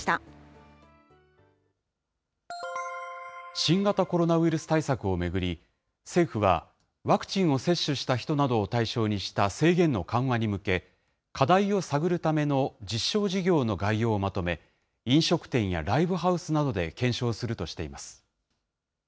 新型コロナウイルス対策を巡り、政府はワクチンを接種した人などを対象にした制限の緩和に向け、課題を探るための実証事業の概要をまとめ、飲食店やライブハウスなどで検証するとしています。